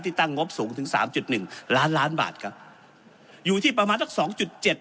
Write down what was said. ตั้งงบสูงถึงสามจุดหนึ่งล้านล้านบาทครับอยู่ที่ประมาณสักสองจุดเจ็ด